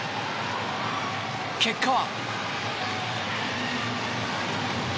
結果は。